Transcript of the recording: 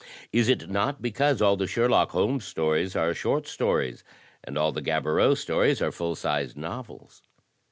Is it not because all the Sherlock Holmes stories are short stories, and all the Gaboriau stories are full sized novels?